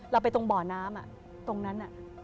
ไปตรงบ่อน้ำตรงนั้น